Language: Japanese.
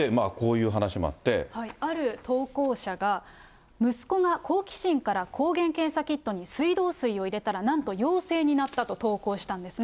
ある投稿者が、息子が好奇心から抗原検査キットに水道水を入れたら、なんと陽性になったと投稿したんですね。